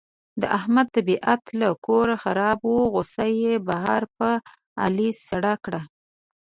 د احمد طبیعت له کوره خراب و، غوسه یې بهر په علي سړه کړه.